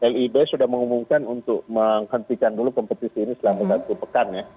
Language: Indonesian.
lib sudah mengumumkan untuk menghentikan dulu kompetisi ini selama satu pekan ya